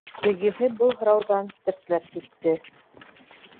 Тегеһе был һорауҙан тертләп китте.